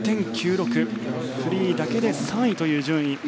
フリーだけで３位という順位。